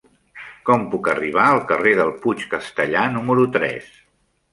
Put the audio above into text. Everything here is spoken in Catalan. Com puc arribar al carrer del Puig Castellar número tres?